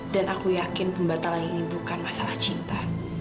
dan aku yakin pembatalan ini bukan masalah cinta